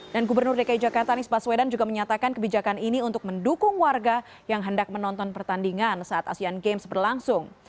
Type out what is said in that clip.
dan gubernur dki jakarta anies baswedan juga menyatakan kebijakan ini untuk mendukung warga yang hendak menonton pertandingan saat asean games berlangsung